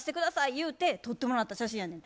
ゆうて撮ってもらった写真やねん。